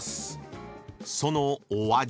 ［そのお味は？］